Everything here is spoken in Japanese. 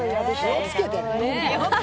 気をつけてね。